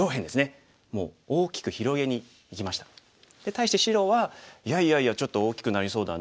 対して白は「いやいやいやちょっと大きくなりそうだな。